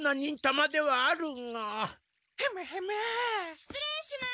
しつれいします。